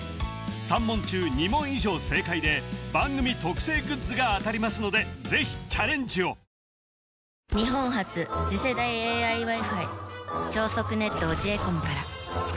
３問中２問以上正解で番組特製グッズが当たりますのでぜひチャレンジをああそうやって読むんだへえ１８番